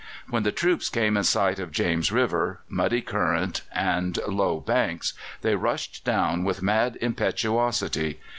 When the troops came in sight of James River, muddy current and low banks, they rushed down with mad impetuosity.